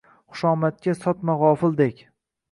Xushomadga sotma gʼofildek.